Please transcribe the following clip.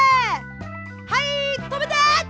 はいとめて！